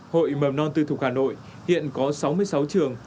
hội mầm non tư thục hà nội hiện có sáu mươi sáu trường